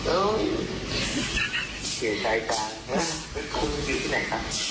โอ้ยเสียใจจังนะคุณอยู่ที่ไหนครับ